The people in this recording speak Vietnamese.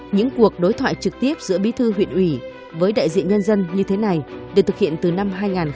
những cuộc đối thoại trực tiếp giữa bí thư huyện ủy với đại diện nhân dân như thế này được thực hiện từ năm hai nghìn một mươi một